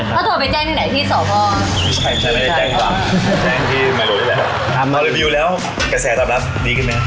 เอารีวิวแล้วกระแสต่ำลับดีขึ้นไหม